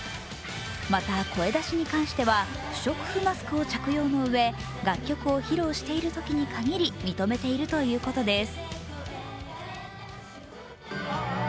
また、声出しに関しては不織布マスクを着用のうえ、楽曲を披露しているときに限り認めているということです。